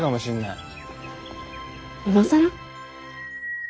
今更？